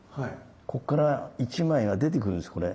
ここから１枚が出てくるんですこれ。